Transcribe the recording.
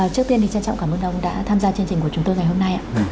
trước tiên thì trân trọng cảm ơn ông đã tham gia chương trình của chúng tôi ngày hôm nay